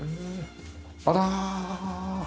あら。